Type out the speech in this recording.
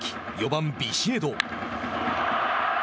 ４番ビシエド。